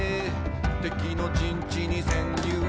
「敵の陣地に潜入」